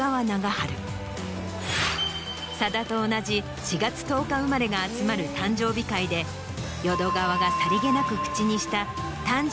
さだと同じ４月１０日生まれが集まる誕生日会で淀川がさりげなく口にした。